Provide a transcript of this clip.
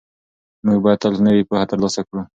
موږ باید تل نوې پوهه ترلاسه کړو.